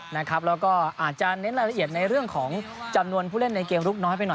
แล้วก็อาจจะเน้นรายละเอียดในเรื่องของจำนวนผู้เล่นในเกมลุกน้อยไปหน่อย